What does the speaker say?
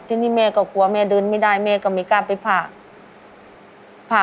ทีนี้แม่ก็กลัวแม่เดินไม่ได้แม่ก็ไม่กล้าไปผ่า